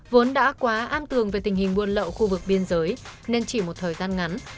vốn đã quá an tường về tình hình buôn lậu khu vực biên giới nên chỉ một thời gian ngắn